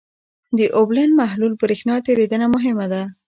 د اوبلن محلول برېښنا تیریدنه مهمه ده.